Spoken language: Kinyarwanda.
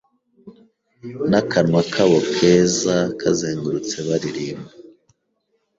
Nakanwa kabo keza kazengurutse baririmba